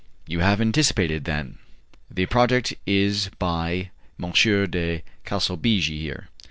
"You have been anticipated, then; the project is by M. de Calsabigi here."